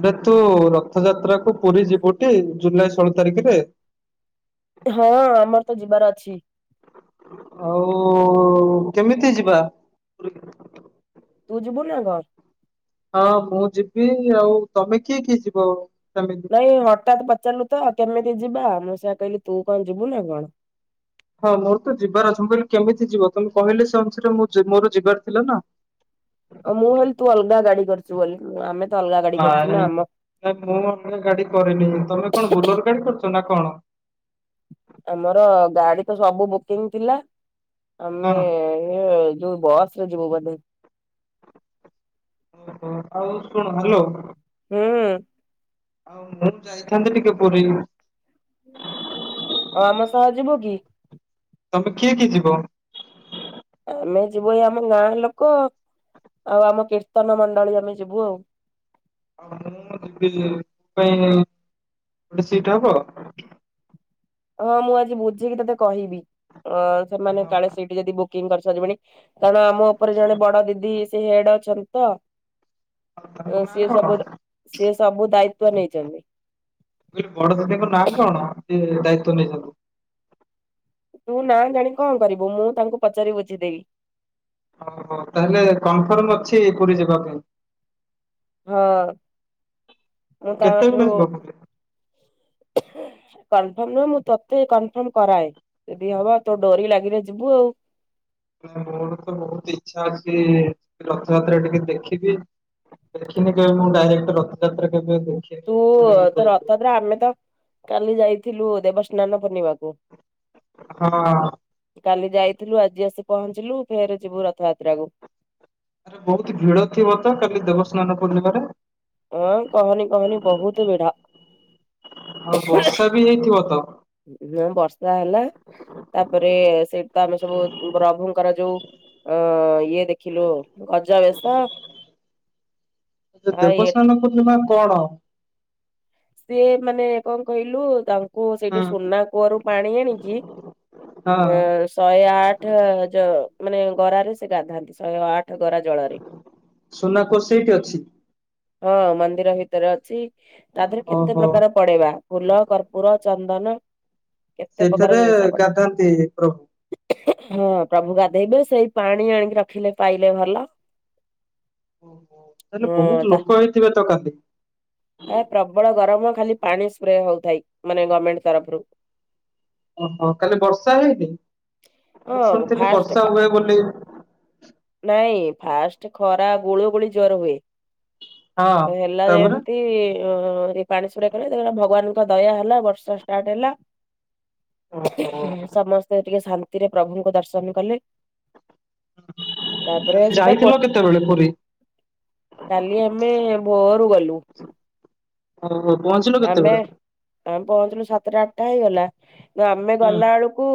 ଆରେ ତୁ ରଥଯାତ୍ରା କୁ ପୁରୀ ଯିବୁଟି ଜୁଲାଇ ଷୋହଳ ତାରିଖରେ? ହଁ ଆମର ତ ଯିବାର ଅଛି। ଆଉ କେମିତି ଯିବା? ତୁ ଯିବୁନା କଣ୍? ହଁ ମୁଁ ଯିବି ଆଉ ତମେ କିଏ କିଏ ଯିବ ଫାମିଲି? ନାଇ ହଠାତ୍ ପଚାରିଲୁ ତ କେମିତି ଯିବା ମୁଁ ସେଇଆ କହିଲି ତୁ କଣ ଯିବୁ ନା କଣ୍। ହଁ ମୋର ତ ଯିବାର ଅଛି ମୁଁ କହିଲି କେମିତି ଯିବ ତମେ କହିଲେ ସେ ଅନୁସାରେ ମୋର ଯି-ଯିବାର ଥିଲା ନା। ଆ- ମୁଁ ଭାବିଲି ତୁ ଅଲଗା ଗାଡି କରିଚୁ ବୋଲି ଆମେ ତ ଅଲଗା ଗାଡି କରିଛୁ ନାଇଁ ନା ଆମ -ନାଁଇ ମୁଁ ଗାଡି ଅଲଗା କରିନି ତମେ କଣ ବୁଲର୍ ଗାଡି କରୁଚ ନା କଣ? ଆମର ଗାଡି ତ ସବୁ ବୁକିଂ ଥିଲା ହଁ। ଆମେ ଇଏ ଯଉ ବସ୍ ରେ ଯିବୁ ବୋଧେ। ଆଉ ଶୁଣୁ- ହାଲୋ। ହୁଁ। ଆଉ ମୁଁ ଯାଇଥାନ୍ତି ଟିକେ ପୁରୀ। ହୁଁ ହୁ ଅ- ଆମ ସହ ଯିବୁ କି? ତମେ କିଏ କିଏ ଯିବ? ଆମେ ଯିବୁ ଏଇ ଆମ ଗାଁ ଲୋକ ଆଉ ଆମ କୀର୍ତ୍ତନ ମଣ୍ଡଳୀ ଆମେ ଯିବୁ ଆଉ। [unintelligible] ମୋ ପାଇଁ ଗୋଟେ ସିଟ୍ ହବ? ହଁ ମୁଁ ଆଜି ବୁଝିକି ତତେ କହିବି ଅ ସେମାନେ ହଁ। କାଳେ ସେଇଠି ଯଦି ବୁକିଂ କରିସାରିବେଣି। କାରଣ ଆମ ଉପରେ ଜଣେ ବଡ ଦିଦି ସେ ହେଡ ଅଛନ୍ତି ତ ତାଙ୍କ ଅଁ ନାଁ ସିଏ କଣ? ସବୁ ମୁଁ ସି ସବୁ ଦାୟିତ୍ୱ ନେଇଚନ୍ତି। କହିଲି ବଡ ଦିଦି ଙ୍କ ନାଁ କଣ ସେ ଦାୟିତ୍ୱ ନେଇଚନ୍ତି? ତୁ ନା ଜାଣି କଣ କରିବୁ ମୁଁ ତାଙ୍କୁ ପଚାରି ବୁଝିଦେବି। ଓ ହୋ ତାହେଲେ କନଫର୍ମ ଅଛି ପୁରୀ ଯିବା ପାଇଁ। ହଁ ମୁଁ ଆଉ ତାଙ୍କଠାରୁ କେତେବେଳେ ଯିବ ପୁରୀ? କନଫର୍ମ ନୁହଁ ମୁଁ ତତେ କନଫର୍ମ କରାଏ ଯଦି ହବ ତୋ ଡୋରି ଲାଗିଲେ ଯିବୁ ଆଉ। ମୋର ତ ବହୁତ ଇଚ୍ଛା ଅଛି ରଥଯାତ୍ରା ଟିକେ ଦେଖିବି ଦେଖିନି କେବେ ମୁଁ ଡାଇରେକ୍ଟ ରଥଯାତ୍ରା କେବେବି। ତୁ ତ ରଥଯାତ୍ରା ଆମେ ତ କାଲି ଯାଇଥିଲୁ ଦେବସ୍ନାନ ପୁର୍ଣ୍ଣିମା କୁ। ହଁ। କାଲି ଯାଇଥିଲୁ ଆଜି ଆସି ପହଞ୍ଚିଲୁ ଫେରେ ଯିବୁ ରଥଯାତ୍ରା କୁ। ଆରେ ବହୁତ ଭିଡ ଥିବ ତ କାଲି ଦେବସ୍ନାନ ପୂର୍ଣ୍ଣିମା ରେ। ହଁ କହନି କହନି ବହୁତ ଭିଡା। ଆଉ ବର୍ଷା ବି ହେଇଥିବ ତ। ହଁ ବର୍ଷା ହେଲା ତାପରେ ସେଇଠୁ ତ ଆମେ ସବୁ ପ୍ରଭୁଙ୍କର ଯୋଉ ଅଁ ଇଏ ଦେଖିଲୁ ଗଜା ବେଶ। ଏ ଦେବସ୍ନାନ ପୂର୍ଣ୍ଣିମା କଣ? ସିଏ ମାନେ କଣ କହିଲୁ ତାଙ୍କୁ ହୁଁ ସେଇଠି ସୁନା କୂଅରୁ ପାଣି ଆଣିିକି ହଁ ଅଁ ଶହେ ଆଠ ଆଠ ଜ ମାନେ ଗରା ରେ ସେ ଗାଧାନ୍ତି ଶହେ ଆଠ ଗରା ଜଳରେ। ସୁନା କୂଅ ସେଇଠି ଅଛି। ହଁ ମନ୍ଦିର ଭିତରେ ଅଛି ତା ଦେହରେ କେତେ ଓହୋ। ପ୍ରକାର ପଡେ ବା ଫୁଲ, କର୍ପୁର, ଚନ୍ଦନ କେତେ ପ୍ରକାର ସେଇଥେରେ ଜିନିଷ ପଡେ ଗାଧାନ୍ତି ପ୍ରଭୁ। ହଁ ପ୍ରଭୁ ଗାଧେଇବେ ସେଇ ପାଣି ଆଣିକି ରଖିଲେ ପାଇଲେ ଭଲ। ଓ ହୋ ତାହେଲେ ବହୁତ ତା ଲୋକ ହେଇଥିବେ ତ କାଲି? ହଁ ପ୍ରବଳ ଗରମ ଖାଲି ପାଣି ସ୍ପ୍ରେ ହଉଥାଏ ମାନେ ଗରମେଣ୍ଟ ତରଫରୁ। ଓହୋ କାଲି ବର୍ଷା ହେଇନି ମୁଁ ହଁ ଶୁଣିଥିଲି ଫାଷ୍ଟ ବର୍ଷା ଫା ହୁଏ ବୋଲି। ନାଇଁ ଫାଷ୍ଟ ଖରା ଗୁଳୁଗୁଳି ଯୋର ହୁଏ। ହଁ ହେଲା ତାପରେ ଯେମତି ଏ ପାଣି ସ୍ପ୍ରେ କରେଇଦେଲେ ଭଗବାନଙ୍କ ଦୟା ହେଲ ବର୍ଷା ଷ୍ଟାର୍ଟ ହେଲା ଓହୋ। ସମସ୍ତେ ଟିକେ ଶାନ୍ତିରେ ପ୍ରଭୁଙ୍କୁ ଦର୍ଶନ କଲେ ତାପରେ କାଲି ସେ ଯାଇଥିଲ କେତେବେଳେ ପୁରୀ [unintelligible] କାଲି ଆମେ ଭୋରୁ ଗଲୁ। ହଉ ହଉ ପହଁଞ୍ଚିଲ ଆମେ କେତେବେଳେ? ଆମେ ପହଁଞ୍ଚିଲୁ ସାତଟା ଆଠଟା ହେଇଗଲା ଆମେ ହୁଁ ଗଲା ବେଳକୁ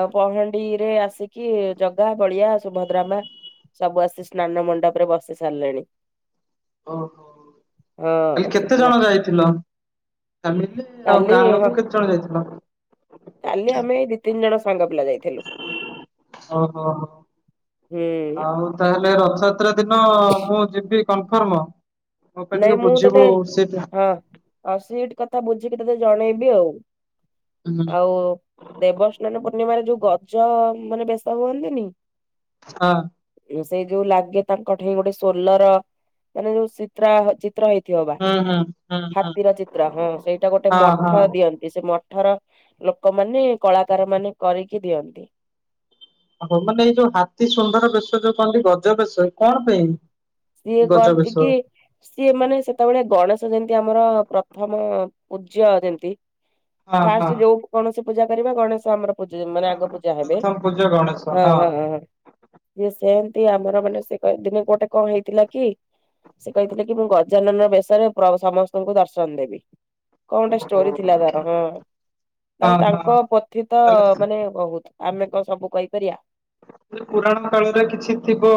ଅ ପହଣ୍ଡିରେ ଆସିକି ଜଗା ବଳିଆ ସୁଭଦ୍ରା ମା ସବୁ ଆସି ସ୍ନାନ ମଣ୍ଡପରେ ବସି ସାରିଲେଣି। ଓହୋ। କାଲି ହଁ କେତେ ଶିବ ଜଣ ଯାଇଥିଲ ଫ୍ୟାମିଲି ଆଉ କାଲି ଗାଁ ହଁ ଲୋକ କେତେ ଜଣ ଯାଇଥିଲ? କାଲି ଆମେ ଦି ତିନି ଜଣ ସାଙ୍ଗ ପିଲା ଯାଇଥେଲୁ। ଓହୋ ହୁଁ ଆଉ ତାହେଲେ ରଥ ତରା ଦିନ ମୁଁ ଯିବି କନଫର୍ମ ମତେ ନାଇଁ ଟିକେ ମୁଁ ତତେ ବୁଝିବୁ ସେ ହଁ ଆଉ ସିଟ୍ କଥା ବୁଝିକି ତତେ ଜଣେଇବି ଆଉ ହୁଁ, ଆଉ। ଦେବସ୍ନାନ ପୂର୍ଣ୍ଣିମାରେ ଯୋଉ ଗଜ ମାନେ ବେଶ ହୁଅନ୍ତିନି? ହଁ। ଏ ସେଇ ଯୋଉ ଲାଗେ ତାଙ୍କଠେ ଗୋଟେ ସୋଲର ମାନେ ଯୋଉ ଚିତ୍ରା [unintelligible] ତ୍ର ହେଇଥିବ ବା ହୁଁ ହୁଁ ହୁଁ ହୁଁ ହାତୀର ଚିତ୍ର ହଁ ସେଇଟା ଗୋଟେ ହଁ ହଁ। ମଠ ଦିଅନ୍ତି ସେ ମ ଠର ଲୋକମାନେ କଳାକାରମାନେ କରିକି ଦିଅନ୍ତି। ଅ ହଉ ମାନେ ଯୋଉ ହାତୀ ସୁଣ୍ଢର ବେଶ ଯୋଉ କହନ୍ତି ଗଜ ବେଶ କଣପାଇଁ? ସିଏ କହନ୍ତି କି। ସିଏ ମାନେ ସେତେବଳେ ଗଣେଶ ଯେମତି ଆମର ପ୍ରଥମ ପୂଜ୍ୟ ଯେମତି। ହଁ ହଁ ଫାଷ୍ଟେ ଯୋଉ କୌଣସି ପୂଜା କରିବା ଗଣେଶ ଆମର। ପୂଜି ମାନେ ଆଗ ହଁ ପୂଜା ହେବେ ପ୍ରଥମ ପୂଜ୍ୟ ଗଣେଶ ହଁ ହଁ ହଁ ହଁ। ଇଏ ସେମତି ଆମର ମାନେ ସେ କହେ ଦିନେ ଗୋଟେ କଣ ହେଇଥିଲା କି। ସେ କହିଥିଲେ କି ମୁଁ ଗଜାନନ ବେଶରେ ପ୍ର ସମସ୍ତଙ୍କୁ ଦର୍ଶନ ଦେବି। କଣଟେ ଓହୋ। ଷ୍ଟୋରି ଥିଲା ତାର ହୁଁ। ତାର ହଁ ହଁ ତାଙ୍କ ପୋଥି ତ ତାହେଲେ ମାନେ ବହୁତ ଆମେ କଣ ସବୁ କହିପାରିବା। ପୁରାଣ କାଳରେ କିଛି ଥିବ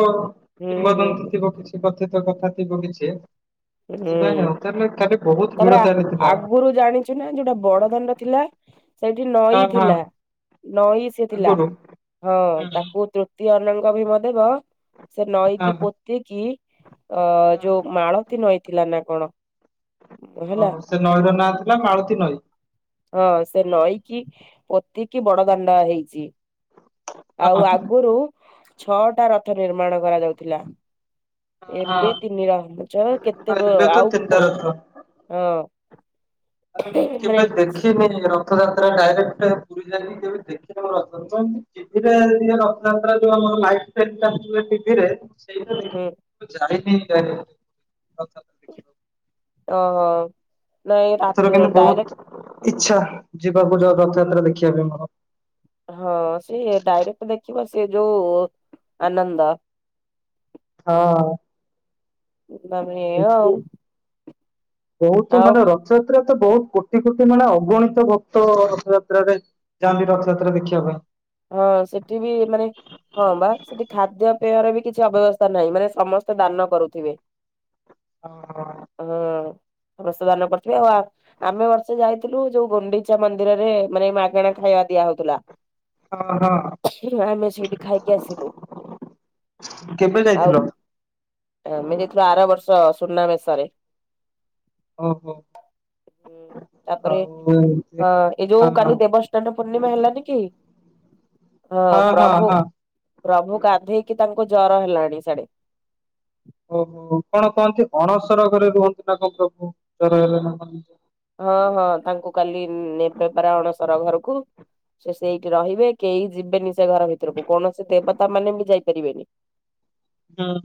ହୁଁ ହୁଁ କିମ୍ବଦନ୍ତୀ ଥିବ କିଛି। କି କଥିତ କଥା ଥିବ କିଛି ହେ ସେଥିପାଇଁ ହୁଁ ଆଉ ତାଲେ ତାଲେ ବହୁତ ତାପରେ ଆ ଭିଡଚାଲିଚି ତାର। ଆଗରୁ ଜାଣିଛୁ ନା ଯୋଉଟା ବଡ ଦାଣ୍ଡ ଥିଲା। ସେଇଠି ନଈ ହଁ ହଁ। ଥିଲା ନଈ ସେ ଥିଲା ଆଗରୁ ହଁ ହୁଁ ତାକୁ ତି ଅନଙ୍ଗଭିମ ଦେବ ସେ ନଈକି ହଁ। ପୋତିକିି ଅ ଯୋଉ ମାଳ। ଥି ନଈଥିଲା ନା କଣ। ହେଲା ଓହୋ ସେ ନଈର ନାଁ ଥିଲା ମାଳତି ନଈ। ହଁ ସେ ନଈକି ପୋତିକି ବଡଦାଣ୍ଡ ହେଇଛି। ହଁ ଆଉ ହଁ। ଆଗୁରୁ ଛଅଟା ରଥ ନିର୍ମାଣ କରାଯାଉଥିଲା। ଏବେ ତିନିଟା ହମୁଛ କେତେ ହଁ ବ ଏବେ ତ ଆଉ କି ତିନିଟା କ। ରଥ। ହଁ। ଆରେ ମୁଁ କେବେ ମାନେ ଦେଖିନି ର ରଥଯାତ୍ରା ଡାଇରେକ୍ଟ ପୁରୀ ମାନେ ପୁରୀ ଯାଇକି କେବେ ଦେଖିନି ମୁଁ ରଥ [unintelligible] ଟିଭିରେ ଯଦି ଏ ରଥଯାତ୍ରା ଯୋଉ ଆମ ମାଇକ ସେଟଟା [unintelligible] ଟିଭିରେ। ହୁଁ ମୁଁ ଯାଇନି କେବେ ରଥଯାତ୍ରା। ଦେଖିବାକୁ। ଓହୋ। ନାଇଁ ରା- ଏଥର କିନ୍ତୁ ଡାଇରେକ୍ଟ ବହୁତ ଇଚ୍ଛା ଯିବାକୁ ଯାଉ ରଥଯାତ୍ରା ଦେଖିବା ପାଇଁ ମୋର। ହଁ ସେ ଡାଇରେକ୍ଟ ଦେଖିବ ସେ ଯୋଉ ଆନନ୍ଦ। ହଁ। ବା ମିଳିଲା ଆଉ। ବହୁତୁ ଆଉ ମାନେ ରଥଯାତ୍ରା ତ ବହୁତ କୋଟି କୋଟି ମାନେ ଅଗଣିତ ଭକ୍ତ ରଥଯାତ୍ରାରେ ଯାଆନ୍ତି ରଥଯାତ୍ରା ଦେଖିବା ପାଇଁ। ହଁ ସେଠି ବି ମାନେ। ହଁ ବା ସେଠି ଖାଦ୍ୟ ପେୟର ବି କିଛି ଅବ୍ୟବସ୍ଥା ନାହିଁ ମାନେ ସମସ୍ତେ ଦାନ କରୁଥିବେ। ହଁ ହଁ। ହଁ ସମସ୍ତେ ଦାନ କରଥିବେ ଆଉ ଆ ଆମେ ବର୍ଷେ ଯାଇଥିଲୁ ଯୋଉ ଗୁଣ୍ଡିଚା ମନ୍ଦିରରେ ମାନେ ମାଗେଣା ଖାଇବା ଦିଆ ହଉଥିଲା। ହଁ ହଁ। ଆମେ ସେଇଠି ଖାଇକି ଆସିଲୁ କେବେ ଯାଇଥିଲ? ଆଉ। ଆମେ ଯାଇଥିଲୁ ଆର ବର୍ଷ ସୁନାବେେଶରେ। ଓହୋ। ହୁଁ ତାପରେ ଆଉ ଏମିତି ହଁ ଏ ଯୋଉ କାଲି ଦେବ ସ୍ନାନ ପୂର୍ଣ୍ଣିମା ହେଲାନି କି? ହଁ ପ୍ରଭୁ ପ୍ରଭୁ ଗାଧେଇକି ତାଙ୍କୁ ଜ୍ୱର ହେଲାଣି ସେଡେ। ଓହୋ କଣ କହନ୍ତି ଅଣସର ଘରେ ରୁହନ୍ତି ନା କଣ ପ୍ରଭୁ ଚର ହଁ ହଁ ତାଙ୍କୁ କାଲି ନେବେ ପାରା ଅଣସର ଘରକୁ। ସେ ସେଇଠି ରହିବେ କେହି ଯିବେନି ସେ ଘର ଭିତରକୁ କୌଣସି ଦେବତା ମାନେ ବି ଯାଇପାରିବେନି। [inaudible] ହଁ।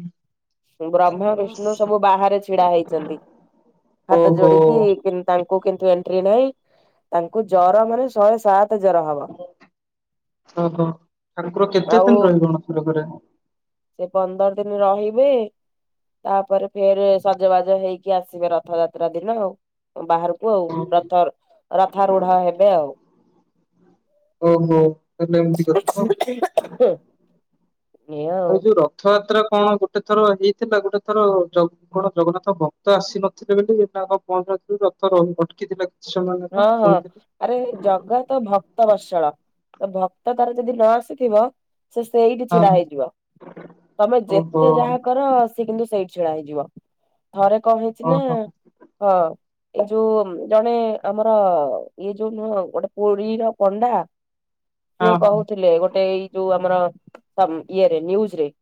ବ୍ରହ୍ମା ବିଷ୍ଣୁ ସବୁ ବାହାରେ ଛିଡା ହେଇଛନ୍ତି। ହାତ ଓହୋ ଯୋଡିକି। ତାଙ୍କୁ କିନ୍ତୁ ଏଣ୍ଟ୍ରି ନାହିଁ ତାଙ୍କୁ ଜ୍ୱର ମାନେ ଶହେ ସାତ ଜର ହବ ହ ହ ଠାକୁର କେତେ ଆଉ ଦିନ ରହିବେଣସର ଘରେ। ସେ ପନ୍ଦର ଦିନ ରହିବେ। ତାପରେ ଫେର ସଜବାଜ ହେଇକି ଆସିବେ ରଥଯାତ୍ରା ଦିନ। ବାହାରକୁ ଆଉ ରଥ ରଥା ରୂଢ ହେବେ ଆଉ। ଓହୋ ତାଲେ ଏମିତି କଥା ହ। ଆଉ ଯୋଉ ରଥଯାତ୍ରା କଣ ଗୋଟେ ଥର ହେଇଥିଲା ଗୋଟେ ଥର ଜ କଣ ଜଗନ୍ନାଥ ଭକ୍ତ ଆସିନଥିଲେ ବୋଲି [unintelligible] ପହଞ୍ଚିନଥିଲୁ ରଥ ରହି ଅଟକିଥିଲା। ସେମାନେ ହଁ ତ ହଁ ଆରେ ଶୁଣିଛନ୍ତି। ଜଗା ତ ଭକ୍ତ ବର୍ଷଳ ତ ଭକ୍ତ ତାର ଯଦି ନ ଆସିଥିବ ସେ ସେଇଠି ଛିଡା ହଁ ହେଇଯିବ ତମେ ଓହୋ ଯେତେ ଯାହା କର ସେ କିନ୍ତୁ ସେଇଠି ଛିଡା ହେଇଯିବ ଥରେ କଣ ହେଇଛି ନା ଓହୋ ହଁ। ଏଇ ଯୋଉ ଜଣେ ଆମର ଇଏ ଯୋଉ ନୁହଁ ଗୋଟେ ପୁରୀର ପଣ୍ଡା ସିଏ ହଁ ହଁ କହୁଥିଲେ ଗୋଟେ ଏଇ ଯୋଉ ଆମର ଇଏରେ ନିୟୁଜରେ।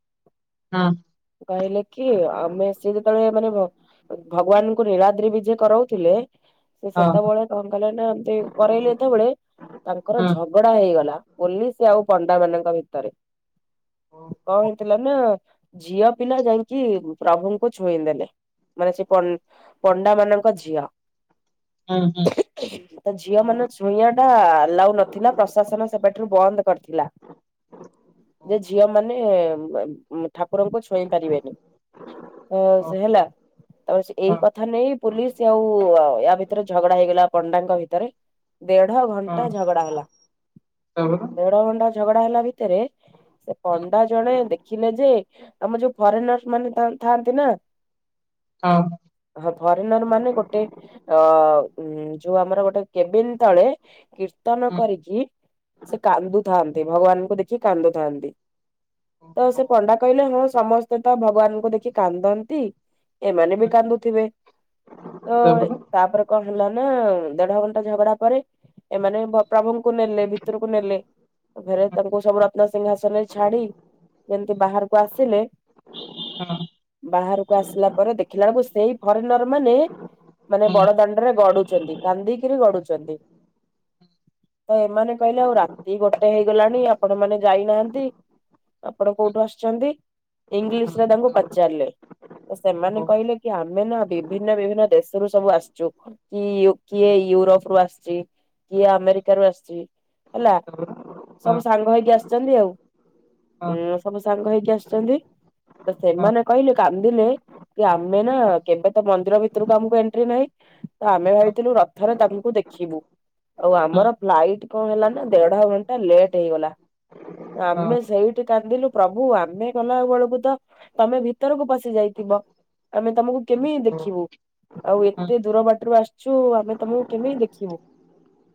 ହଁ। ଖାଇଲ କି ଆମେ ସିଏ ଯେତେବେଳେ ମାନେ ଭଗବାନଙ୍କୁ ନିଳାଦ୍ରି ବିଜେ ଯିଏ କରାଉଥିଲେ। ହଁ ସେତେବେଳେ କଣ କହିଲେ ନା କରୋଇଲେ ଯେତେବେଳେ ତାଙ୍କର ହଁ। ଝଗ ଝଗଡା ହେଇଗଲା ପୋଲିସ ଆଉ ପଣ୍ଡା ମାନଙ୍କ ଭିତରେ। ହୁଁ କଣ ହୁଁ। ହେଇଥିଲା ନା ଝିଅ ପିଲା ଯାଇକି ପ୍ରଭୁଙ୍କୁ ଛୁଇଁ ଦେଲେ ମାନେ ସେ ପ ପ ଣ୍ଡା ମାନଙ୍କ ଝିଅ। ହୁଁ ହୁଁ। ତ ଝିଅ ମାନ ଛୁଇଁ ଟା ଏଲାଉ ନଥିଲା ପ୍ରଶାସନ ସେବାଠାରୁ ବନ୍ଦ କରିଥିଲା। ହ। [inaudible] ଯେ ଝିଅ ମାନେ ଠାକୁରଙ୍କୁ ଛୁଇଁ ପାରିବେନି। ହ ତାପରେ ହଁ ସେ ହେଲା ହୁଁ। ତା ସେ ଏଇ କଥା ନେଇ ପୋଲିସ ଆଉ ୟା ଭିତ ିତରେ ଝଗଡା ହେଇଗଲା ପଣ୍ଡାଙ୍କ ଭିତରେ। ଦେଢ ଘଣ୍ଟା ଝଗଡା ତାପରେ ହଁ ହୁଁ ହୁଁ ତାପରେ ହେଲା ଭିତରେ ସେ ପଣ୍ଡା ଜଣେ ଦେଖିଲେ ଯେ ଆମ ଯୋଉ ଫରେନର୍ ମାନେ ଥାଆନ୍ତି ନା। ହଁ। ହଁ ଫରେନର ମାନେ ଗୋଟେ ଅ ହୁଁ। ଯୋଉ ଆମର ଗୋଟେ କେବିନ ତଳେ ହଁ କୀର୍ତ୍ତନ ହଁ କରିକି ସେ କାନ୍ଦୁଥାନ୍ତି ଭଗବାନଙ୍କୁ ଦେଖ ସେ କାନ୍ଦୁଥାନ୍ତି ତ ହଁ ହଁ ସେ ପଣ୍ଡା କହିଲେ ହଁ ସମସ୍ତେ ସେ ତ ଭଗବାନଙ୍କୁ ଦେଖି କାନ୍ଦନ୍ତି ଏମାନେ ବି କାନ୍ଦୁଥିବେ ତ ତାପରେ କଣ ହେଲା ନା ଦେଢ ଘଣ୍ଟା ଝଗଡା ପରେ ଏମାନେ ବ ପ୍ରଭୁଙ୍କୁ ନେଲେ ଭିତରକୁ ନେଲେ ପରେ ତାଙ୍କୁ ସବୁ ର ନସିଂହାସନରେ ଛାଡି ଯେମିତି ବାହାରକୁ ଆସିଲେ ବାହାରକୁ ଆସିଲା ପରେ ଦେଖିଲା ବେଳକୁ ସେଇ ଫରେନର ମାନେ ମାନେ ବଡ ଦାଣ୍ଡରେ ଗଡୁଚନ୍ତି କାନ୍ଦିକିରି ଗଡୁଚନ୍ତି। ତ ଏମାନେ କହିଲେ ଆଉ ରାତି ଗୋଟେ ହେଇଗଲାଣି ଆପଣ ମାନେ ଯାଇନାହାନ୍ତି। ଆପଣ କୋଉଠୁ ଆସିଛନ୍ତି। ହଁ ଇଂଲିଶ ରେ ତାଙ୍କୁ ପଚାରିଲେ ତ ସେମାନେ କହିଲେ କି ଆମେ ନା ବିଭିନ୍ନ ବିଭିନ୍ନ ଦେଶ ରୁ ସବୁ ଆସିଛୁ କି ୟୁକ୍ କିଏ ୟୁରୋପ ରୁ ଆସିଛି କିଏ ଆମେରିକା ରୁ ଆସିଛି ହେଲା ସବୁ ସାଙ୍ଗ ହେଇକି ଆସିଛନ୍ତି ଆଉ। ଉଁ ସବୁ ସାଙ୍ଗ ହେଇକି ଆସିଛନ୍ତି। ତ ହଁ। ସେମାନେ କହିଲେ କାନ୍ଦିଲେ କି ଆମେ ନା କେବେ ତ ମନ୍ଦିର ଭିତରକୁ ଆମକୁ ଏମ ଏଣ୍ଟ୍ରି ନାହିଁ ତ ଆମେ ଭାବିଥିଲୁ ରଥରେ ତାଙ୍କୁ ଦେଖିବୁ। ଆଉ ଆମର ଫ୍ଲାଇଟ କଣ ହେଲା ନା ଦେଢ ଘଣ୍ଟା ଲେଟ୍ ହେଇଗଲା। ଆମେ ସେଇଠି କାନ୍ଦିଲୁ ପ୍ରଭୁ ଆମେ ଗଲା ବେଳକୁ ତ ତମେ ଭିତରକୁ ପଶି ଯାଇଥିବ ଆମେ ତମକୁ କେମିତି ଦେଖିବୁ। ଆଉ ଏତେ ଦୂର ବାଟରୁ ଆସିଛୁ ଆମେ ତମକୁ କେମିତି ଦେଖିବୁ।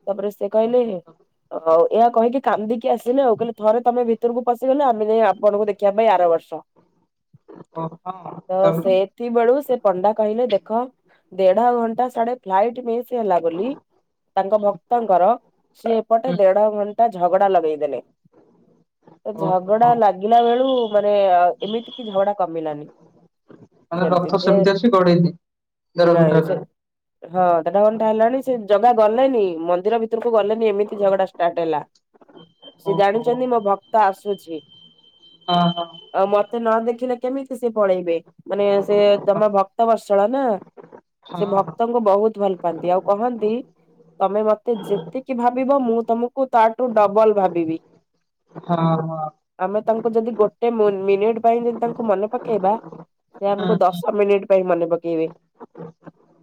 ତାପରେ ସେ କହିଲେ ଆଉ ଏହା କହିକି କାନ୍ଦିକି ଆସିଲେ ଆଉ କହିଲେ ଥରେ ତମେ ଭିତରକୁ ପଶିଗଲେ ଆମେ ଯାଇ ଆପଣଙ୍କୁ ଦେଖିବା ପାଇଁ ଆର ବର୍ଷ। ହଁ ତ ସେଥି ବେଳୁକୁ ସେ ପଣ୍ଡା କହିଲେ ଦେଖ ଦେଢ ଘଣ୍ଟା ସିଆଡେ ଫ୍ଲାଇଟ ମିସ୍ ହେଲା ବୋଲି ତାଙ୍କ ଭକ୍ତଙ୍କର ସେ ଏପଟେ ଦେଢ ଘଣ୍ଟା ଝଗଡା ଲଗେଇଦେଲେ। ତ ଓହୋ ଝଗଡା ଲାଗିଲା ବେଳୁ ମାନେ ଆ ଏମିତି କି ଝଗଡା କମିଲାନି। ତା ମାନେ ରଥ ସେମିତି ଅଛି ଗଡ଼େଇନି। ନାଇଁ ସେ ହଁ ଦେଢ ଘଣ୍ଟା ହେଲାନି ସେ ଜଗା ଗଲେନି ମନ୍ଦିର ଭିତରକୁ ଗଲେନି ଏମିତି ଝଗଡା ଷ୍ଟାର୍ଟ ହେଲା। ଁ ସେ ଜାଣିଚନ୍ତି ମୋ ଭକ୍ତ ଆସୁଛି। ହଁ ହଁ। ଆଉ ମତେ ନ ଦେଖିଲେ କେମିତି ସେ ପଳେଇବେ ମାନେ ସେ ତମ ଭକ୍ତ ବର୍ଷଳ ନା। ହଁ ସେ ହଁ ଭକ୍ତଙ୍କୁ ବହୁତ୍ ଭଲ ପାଆନ୍ତି ଆଉ କହନ୍ତି ତମେ ମତେ ଯେତିକି ଭାବିବ ମୁଁ ତମକୁ ତାଠୁ ଡବଲ ଭାବିବି। ହଁ ହଁ। ଆମେ ତାଙ୍କୁ ଯଦି ଗୋଟେ ମି ମିନିଟ୍ ପାଇଁ ଯଦି ତାଙ୍କୁ ମନେ ପକେଇବା ସେ ଆମକୁ ହଁ। ଦଶ ମିନିଟ୍ ପାଇଁ ମନେ ପକେଇବେ।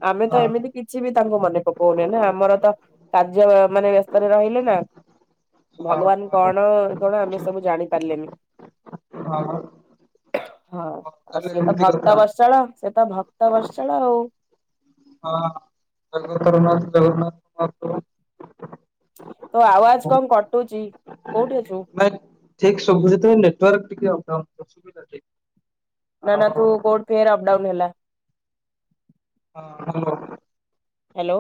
ଆମେ ହଁ ହଁ ତ ଏମିତି କିଛି ବି ତାଙ୍କୁ ମନେ ପକଉନି ନା ଆମର ତ କାର୍ଯ୍ୟ ମା ମାନେ ବ୍ୟସ୍ତରେ ରହିଲେ ନା। ହଁ ଭଗବାନ ହଁ କଣ କଣ ଆମେ ସବୁ ଜାଣି ପାରିଲେନି। ହଁ। ହଁ ଆଉ ତାହେଲେ ସିଏ ତ ଏମିତି କଥା ଭକ୍ତ ବର୍ଷଳ। ସେ ତ ଭକ୍ତ ବର୍ଷଳ ଆଉ। ହଁ ଜଗତର ନାଥ ଜଗନ୍ନାଥ। ଅ [unintelligible] ତୋ ଆୱାଜ କଣ କଟୁଚି କୋଉଠି ଅଛୁ? ଠିକ୍ ଶୁବୁଚି ଯେତବେଳେ ନେଟୱାର୍କ ଟିକେ ଅବଟାଉନ୍ ରହୁଚି [unintelligible] ନା ନା ତୁ କୋଉଠି ଫେର୍ ଅଫ୍ ଡାଉନ୍ ହେଲା। ହଁ ହାଲୋ। ହାଲୋ।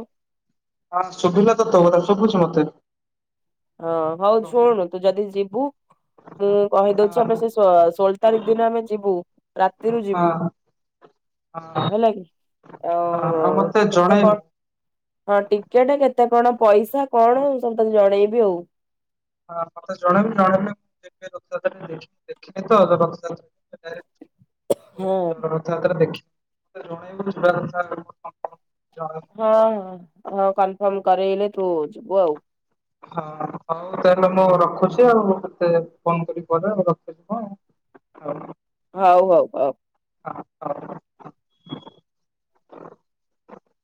ହଁ ଶୁବୁଲା ତୋତେ ମତେ ଶୁବୁଚି ମତେ। ହଁ ହଉ ହାଲୋ ହଁ ଶୁଣୁ ତୁ ଯଦି ଯିବୁ ମୁଁ କହିଦଉଚି ଆମେ ହଁ ସେ ଷୋ ଷୋଳ ତାରିଖ ଦିନ ଆମେ ଯିବୁ ରାତିରୁ ଯିବୁ ହଁ ହଁ। ହେଲା କି ଆଉ ମତେ କେତେ ଜଣେଇବୁ କଣ ହଁ ଟିକେଟେ କେତେ କଣ ପଇସା କଣ ସବୁ ତତେ ଜଣେଇବି ଆଉ। ହଁ ମତେ ଜଣେଇବୁ ଜଣେଇଲେ [unintelligible] [unintelligible] ହଁ। ପୁରୀରୁ ରଥଯାତ୍ରା ଦେଖିବେ ଜଣେଇବୁ [unintelligible] ହଁ ଜଣେଇବୁ। ହଁ ହଁ କନଫର୍ମ କରେଇଲେ ତୁଯିବୁ ଆଉ। ହଁ ହଁ। ହଉ ତାହେଲେ ମୁଁ ରଖୁଚି ଆଉ କେତେ ଫୋନ୍ କରିବି ପରେ ଆଉ ରଖୁଚି। ହଉ ହଉ ହଉ। ହଁ ହଉ।